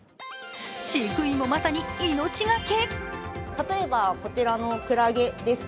飼育員もまさに命がけ。